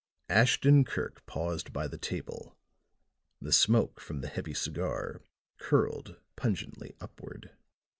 Ashton Kirk paused by the table; the smoke from the heavy cigar curled pungently upward.